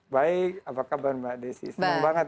baik apa kabar mbak desi senang banget